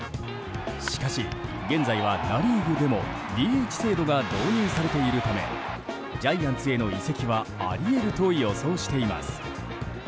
しかし、現在はナ・リーグでもＤＨ制度が導入されているためジャイアンツへの移籍はあり得ると予想しています。